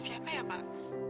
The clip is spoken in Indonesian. hah siapa ya pak